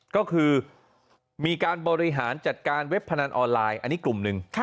ก็คือมีการบริหารจัดการเว็บพนันออนไลน์อันนี้กลุ่มหนึ่ง